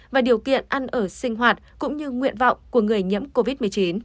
về việc nhận ăn ở sinh hoạt cũng như nguyện vọng của người nhiễm covid một mươi chín